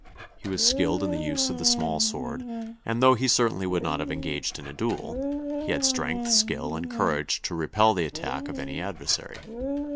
He was skilled in the use of the small sword, and, though he certainly would not have engaged in a duel, he had strength, skill, and courage to repel the attack of any adversary.